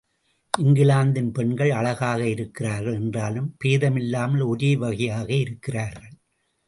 இங்கிலாந்தில் பெண்கள் அழகாக இருக்கிறார்கள் என்றாலும் பேதமில்லாமல் ஒரே வகையாக இருக்கிறார்கள்.